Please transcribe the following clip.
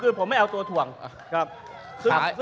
คุณจิลายุเขาบอกว่ามันควรทำงานร่วมกัน